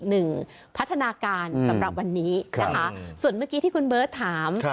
หนึ่งพัฒนาการสำหรับวันนี้นะคะส่วนเมื่อกี้ที่คุณเบิร์ตถาม